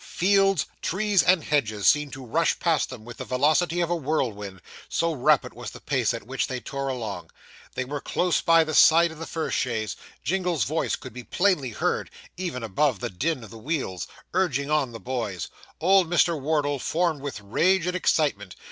Fields, trees, and hedges, seemed to rush past them with the velocity of a whirlwind, so rapid was the pace at which they tore along. They were close by the side of the first chaise. Jingle's voice could be plainly heard, even above the din of the wheels, urging on the boys. Old Mr. Wardle foamed with rage and excitement.